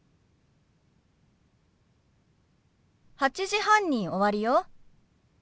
８時半に終わるよ。